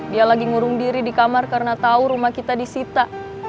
dia lagi ngurung diri di kamar karena tahu rumah kita disita